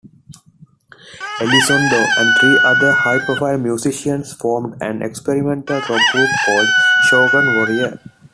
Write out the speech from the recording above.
Elizondo and three other high-profile musicians formed an experimental rock group called Shogun Warrior.